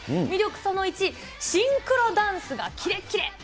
魅力その１、シンクロダンスがキレッキレ。